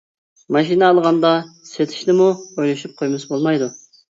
ماشىنا ئالغاندا سېتىشنىمۇ ئويلىشىپ قويمىسا بولمايدۇ.